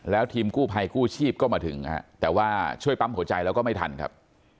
แล้วทีมกู้ภัยกู้ชีพก็มาถึงแต่ว่าช่วยปั๊มหัวใจแล้วก็ไม่ทันครับ